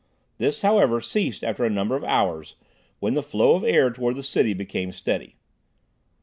This, however, ceased after a number of hours, when the flow of air toward the city became steady.